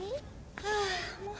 はあもう。